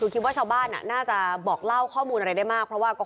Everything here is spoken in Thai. คิดว่าเช้าบ้านน่าจะบอกเล่าข้อมูลอะไรได้มาก